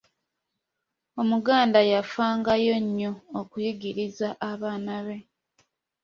Omuganda yafangayo nnyo okuyigiriza abaana be